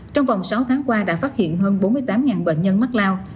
trong vòng sáu tháng qua đã phát hiện hơn bốn mươi tám bệnh nhân mắc lao